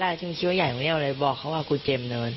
เค้าชิ้นโจรยายแบบนี้เอาเลยบอกเขาบอกว่ากูเจมส์เนิ่นน